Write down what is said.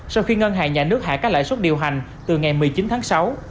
sau khi ngân hàng nhà nước hạ các lãi suất điều hành từ ngày một mươi chín tháng sáu